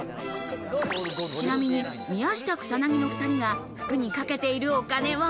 ちなみに宮下草薙の２人が服にかけているお金は？